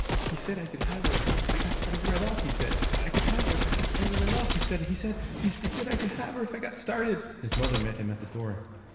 'He said I could have her if I got started right off he said I could have her if I got started right off he said he said he said I could have her if I got started ' His mother met him at the door.